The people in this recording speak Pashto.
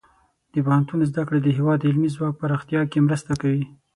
د پوهنتون زده کړې د هیواد د علمي ځواک پراختیا کې مرسته کوي.